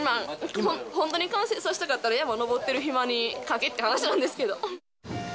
本当に完成させたかったら、山登ってる暇に書けって話なんですけど。